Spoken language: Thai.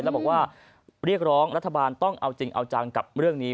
แล้วบอกว่าเรียกร้องรัฐบาลต้องเอาจริงเอาจังกับเรื่องนี้